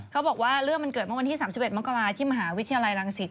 เขาบอกว่าเรื่องมันเกิดเมื่อวันที่๓๑มกราที่มหาวิทยาลัยรังสิต